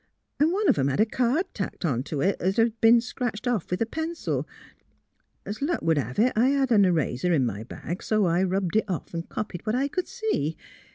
and one of 'em had a card tacked on to it 'at had b'en scratched off with a pencil. 'S luck would have it, I had an eraser in my bag, so I rubbed it off an' copied down what I see.